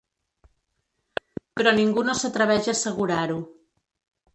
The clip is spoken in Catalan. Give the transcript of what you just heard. Però ningú no s’atreveix a assegurar-ho.